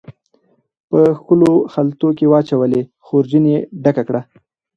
په ښکلو خلطو کې واچولې، خورجین یې ډکه کړه